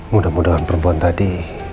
mudah mudahan perempuan tadi